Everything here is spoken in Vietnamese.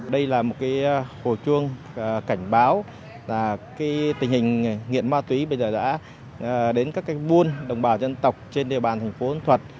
đây là một cái hồ chuông cảnh báo là cái tình hình nghiện ma túy bây giờ đã đến các cái buôn đồng bào dân tộc trên địa bàn thành phố tuấn thuật